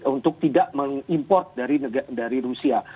untuk tidak mengimport dari rusia